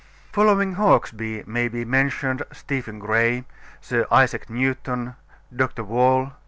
Following Hawksbee may be mentioned Stephen Gray, Sir Isaac Newton, Dr. Wall, M.